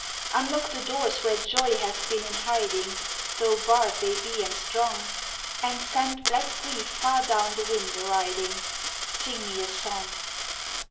Unlock the doors where joy hath been in hiding, Though barred they be and strong, And send black grief far down the wind a riding Sing me a song.